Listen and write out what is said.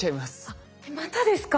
あっまたですか？